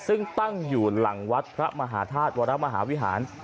ซึ่งตั้งอยู่หลังวัดพระมหาธาตุวรมหาวิหาร